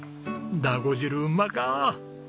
だご汁うまか！